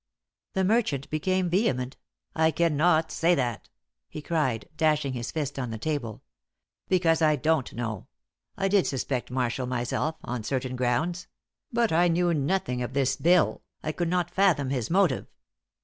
The merchant became vehement. "I cannot say that!" he cried, dashing his fist on the table. "Because I don't know. I did suspect Marshall myself on certain grounds; but I knew nothing of this bill I could not fathom his motive.